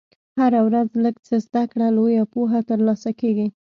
هره ورځ لږ څه زده کړه، لویه پوهه ترلاسه کېږي.